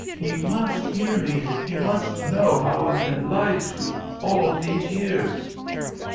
He must hear me! He must know how I've been lied to all these years!"